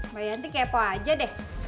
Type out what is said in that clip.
mbak yanti kepo aja deh